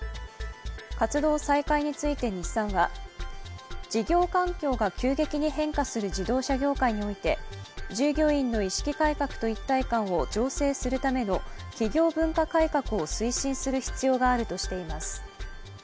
活動再開について日産は事業環境が急激に変化する自動車業界において従業員の意識改革と一体感を醸成するための企業文化改革を推進する必要があるとしています。